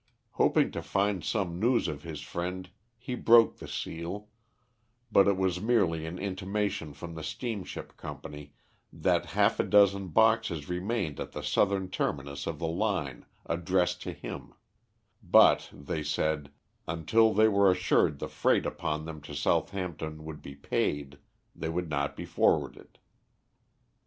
Hoping to find some news of his friend he broke the seal, but it was merely an intimation from the steamship company that half a dozen boxes remained at the southern terminus of the line addressed to him; but, they said, until they were assured the freight upon them to Southampton would be paid, they would not be forwarded.